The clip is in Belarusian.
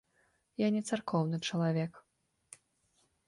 Я не царкоўны чалавек.